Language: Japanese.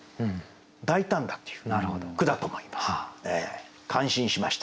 大胆だという句だと思います。